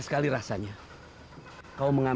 tidak usah hanya sebentar